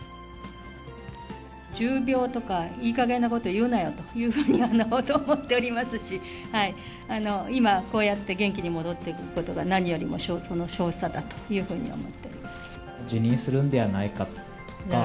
重病とか、いいかげんなこと言うなよというふうには思っておりますし、今、こうやって元気に戻ってくることが、何よりもその証拠、辞任するんではないかとか。